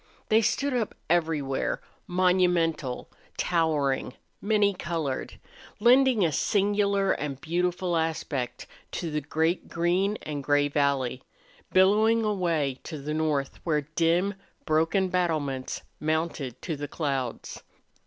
They stood up everywhere, monumental, towering, many colored, lending a singular and beautiful aspect to the great green and gray valley, billowing away to the north, where dim, broken battlements mounted to the clouds.